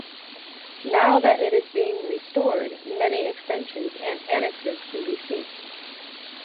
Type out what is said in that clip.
Now that it is being restored, many extensions and annexes can be seen.